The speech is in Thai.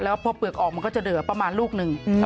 แล้วพอเปลือกออกมันก็จะเหลือประมาณลูกหนึ่ง